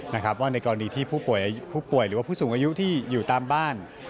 ว่าในกรณีที่ผู้ป่วยหรือว่าผู้สูงอายุที่อยู่ตามบ้าน